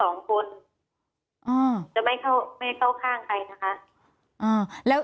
ทั้ง๒คนจะไม่เข้าข้างใครนะคะ